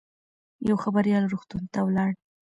یو خبریال روغتون ته ولاړ.